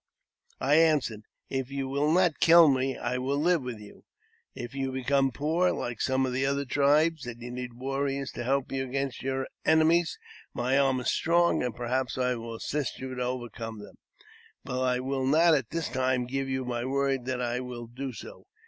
I answered, " If you will not kill me, I will live with you ; if you become poor, like some of the other tribes, and you need warriors to help you against your enemies, my arm is strong, and perhaps I will assist you to overcome them ; but I will not at this time give you my word that I will do so.